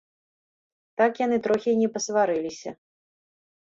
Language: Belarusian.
Так яны трохі й не пасварыліся.